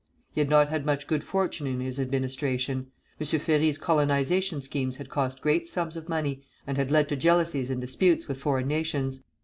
He had not had much good fortune in his administration. M. Ferry's colonization schemes had cost great sums of money and had led to jealousies and disputes with foreign nations.